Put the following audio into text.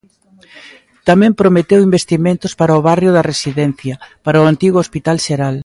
Tamén prometeu investimentos para o barrio da Residencia, para o antigo Hospital Xeral.